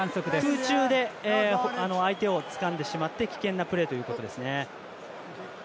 空中で相手をつかんでしまって危険なプレーということですね。